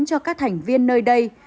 cho các thành viên nơi đây